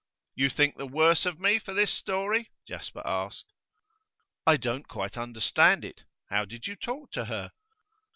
'You think the worse of me for this story?' Jasper asked. 'I don't quite understand it. How did you talk to her?